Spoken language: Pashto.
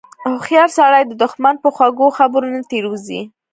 هوښیار سړی د دښمن په خوږو خبرو نه تیر وځي.